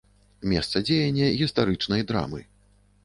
Месца дзеяння гістарычнай драмы.